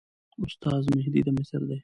استاد مهدي د مصر دی.